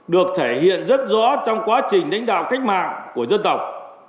được thể hiện rất rõ trong quá trình đánh đạo cách mạng của dân tộc